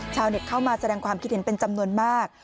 เข้ามาแสดงความคิดเห็นเป็นจำนวนมาก